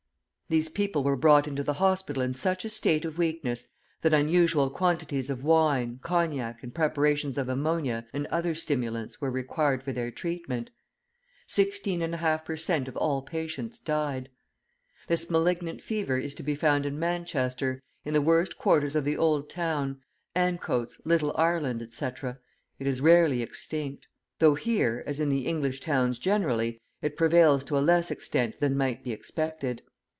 These people were brought into the hospital in such a state of weakness, that unusual quantities of wine, cognac, and preparations of ammonia and other stimulants were required for their treatment; 16.5 per cent. of all patients died. This malignant fever is to be found in Manchester; in the worst quarters of the Old Town, Ancoats, Little Ireland, etc., it is rarely extinct; though here, as in the English towns generally, it prevails to a less extent than might be expected.